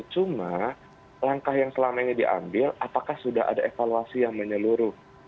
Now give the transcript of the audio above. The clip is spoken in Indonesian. cuma langkah yang selama ini diambil apakah sudah ada evaluasi yang menyeluruh